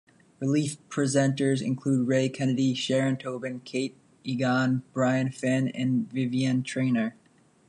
Relief presenters include Ray Kennedy, Sharon Tobin, Kate Egan, Brian Finn and Vivienne Traynor.